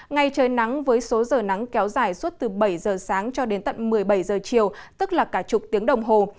ngày trời nắng với số giờ nắng kéo dài suốt từ bảy giờ sáng cho đến tận một mươi bảy giờ chiều